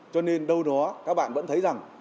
cho nên đâu đó các bạn vẫn thấy rằng